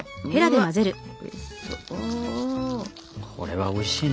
これはおいしいね。